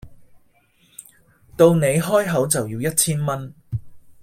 到你開口就要一千蚊